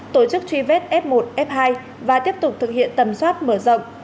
tổ chức truy vết f một f hai và tiếp tục thực hiện tầm soát mở rộng